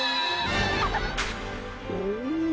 お！